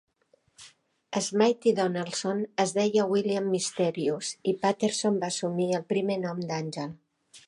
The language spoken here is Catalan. Smythe, Donaldson es deia William Mysterious, i Paterson va assumir el primer nom d'Angel.